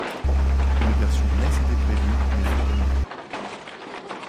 Une version Nes était prévue mais fut annulée.